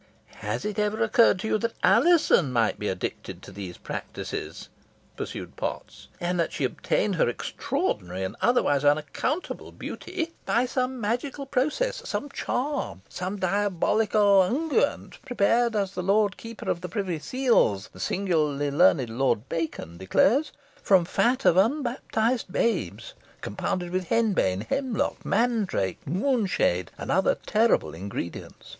"Has it ever occurred to you that Alizon might be addicted to these practices?" pursued Potts, "and that she obtained her extraordinary and otherwise unaccountable beauty by some magical process some charm some diabolical unguent prepared, as the Lord Keeper of the Privy Seals, the singularly learned Lord Bacon, declares, from fat of unbaptised babes, compounded with henbane, hemlock, mandrake, moonshade, and other terrible ingredients.